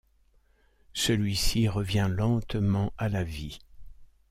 Celui-ci revient lentement à la vie.